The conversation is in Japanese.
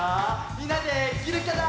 みんなできるかな？